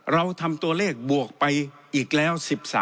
เราทำตัวเลขบวกไปอีกแล้ว๑๓